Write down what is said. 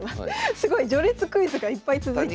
すごい序列クイズがいっぱい続いてる。